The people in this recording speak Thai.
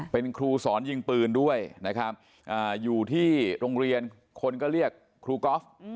เป็นครูสอนยิงปืนด้วยนะครับอยู่ที่โรงเรียนคนก็เรียกครูก๊อฟ